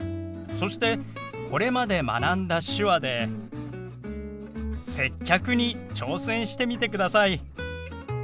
そしてこれまで学んだ手話で接客に挑戦してみてください。